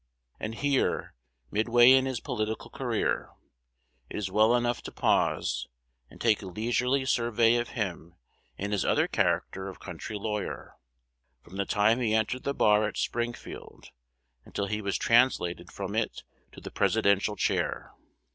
And here, midway in his political career, it is well enough to pause, and take a leisurely survey of him in his other character of country lawyer, from the time he entered the bar at Springfield until he was translated from it to the Presidential chair.